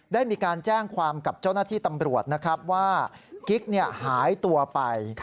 ได้มีการแจ้งความกับเจ้าหน้าที่ตำรวจนะครับว่ากิ๊กหายตัวไป